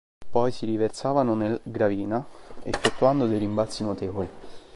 Poi si riversavano nel Gravina, effettuando dei rimbalzi notevoli.